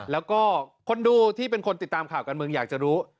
แล้วก็คนดูที่เป็นคนติดตามข่าวการเมืองอยากจะรู้